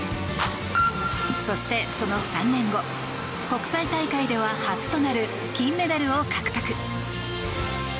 そして、その３年後国際大会では初となる金メダルを獲得。